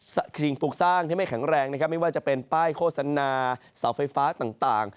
สิ่งปลูกสร้างที่ไม่แข็งแรงนะครับไม่ว่าจะเป็นป้ายโฆษณาเสาไฟฟ้าต่าง